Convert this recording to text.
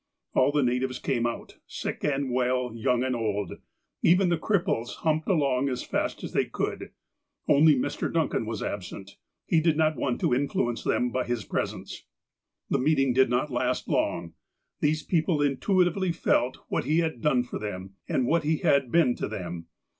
All the natives came out — sick and well, young and old j even the cripples humped along as fast as they could. Only Mr. Duncan was absent. He did not want to in fluence them by his XDresence. The meeting did not last long. These people in tuitively felt what he had done for them, aud what he had been to them.